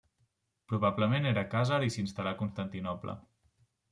Probablement era khàzar i s'instal·là a Constantinoble.